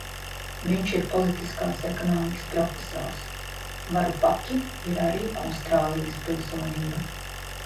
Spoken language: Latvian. Viņš ir politiskās ekonomikas profesors, Varufakim ir arī Austrālijas pilsonība.